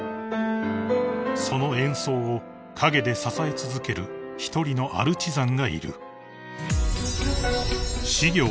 ［その演奏を陰で支え続ける一人のアルチザンがいる］